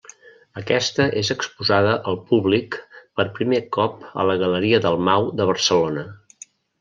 Aquesta és exposada al públic per primer cop a la Galeria Dalmau de Barcelona.